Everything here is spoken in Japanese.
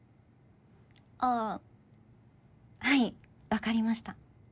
あっはい分かりました。